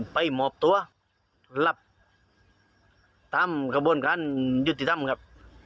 หมอบตัวรับตามกระบวนการยุติธรรมครับ